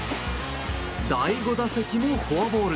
第５打席もフォアボール。